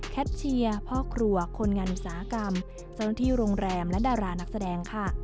แคทเชียร์พ่อครัวคนงานอุตสาหกรรมสถานที่โรงแรมและดารานักแสดง